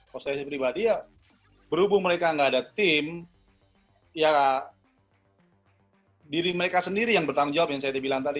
kalau saya pribadi ya berhubung mereka nggak ada tim ya diri mereka sendiri yang bertanggung jawab yang saya bilang tadi